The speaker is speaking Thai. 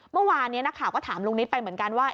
เมื่อวานนี้นักข่าวก็ถามลุงนิดไปเหมือนกันว่า